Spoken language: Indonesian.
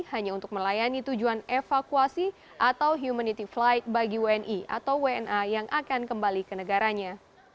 hanya untuk melayani tujuan evakuasi atau humanity flight bagi wni atau wna yang akan kembali ke negaranya